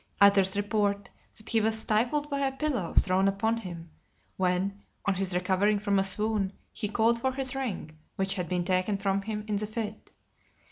Others report, that he was stifled by a pillow thrown upon him , when, on his recovering from a swoon, he called for his ring, which had been taken from him in the fit.